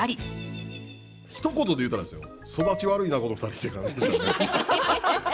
ひと言で言うたらですよ。